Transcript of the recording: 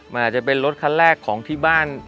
มันอาจจะเป็นรถคันแรกของที่บ้าน